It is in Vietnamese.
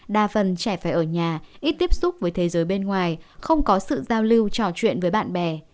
đa phần trẻ phải ở nhà ít tiếp xúc với thế giới bên ngoài không có sự giao lưu trò chuyện với bạn bè